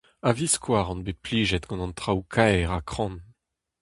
A-viskoazh on bet plijet gant an traoù kaer ha kran.